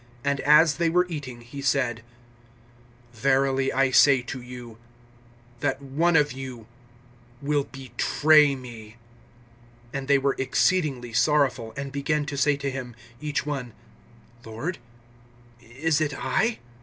(21)And as they were eating, he said: Verily I say to you, that one of you will betray me. (22)And they were exceedingly sorrowful, and began to say to him, each one: Lord, is it I?